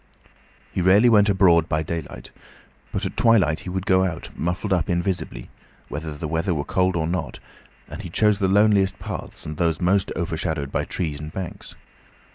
He rarely went abroad by daylight, but at twilight he would go out muffled up invisibly, whether the weather were cold or not, and he chose the loneliest paths and those most overshadowed by trees and banks.